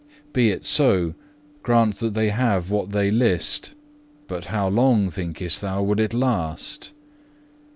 4. "Be it so, grant that they have what they list; but how long, thinkest thou, will it last?